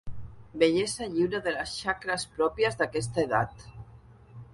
Vellesa lliure de les xacres pròpies d'aquesta edat.